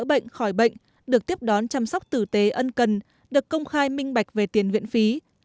bệnh khỏi bệnh được tiếp đón chăm sóc tử tế ân cần được công khai minh bạch về tiền viện phí